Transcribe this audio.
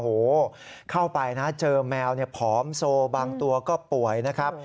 โอ้โหเข้าไปนะเจอแมวผอมโซบางตัวก็ป่วยนะครับ